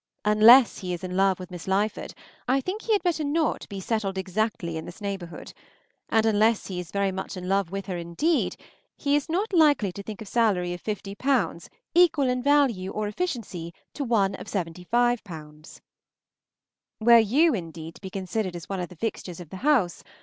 Unless he is in love with Miss Lyford, I think he had better not be settled exactly in this neighborhood; and unless he is very much in love with her indeed, he is not likely to think a salary of 50_l._ equal in value or efficiency to one of 75_l._ Were you indeed to be considered as one of the fixtures of the house!